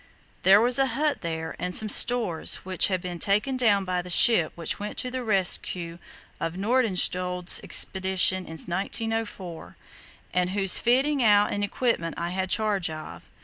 There was a hut there and some stores which had been taken down by the ship which went to the rescue of Nordenskjold's Expedition in 1904, and whose fitting out and equipment I had charge of.